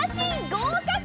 ごうかく！